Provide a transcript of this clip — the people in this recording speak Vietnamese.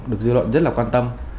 được dư luận rất là quan tâm